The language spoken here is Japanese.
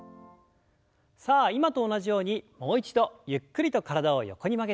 さあ今と同じようにもう一度ゆっくりと体を横に曲げていきます。